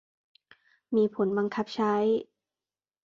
มีผลบังคับใช้